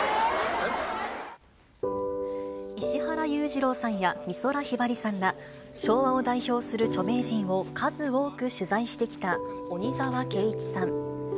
石原裕次郎さんや美空ひばりさんら、昭和を代表する著名人を数多く取材してきた鬼澤慶一さん。